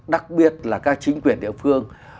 đặc biệt là các chính quyền địa phương